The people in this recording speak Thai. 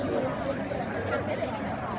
พี่แม่ที่เว้นได้รับความรู้สึกมากกว่า